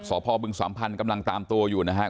สพบึงสวามพันธุ์กำลังกลับมาที่นี่นะครับ